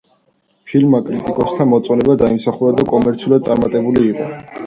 ფილმმა კრიტიკოსთა მოწონება დაიმსახურა და კომერციულად წარმატებული იყო.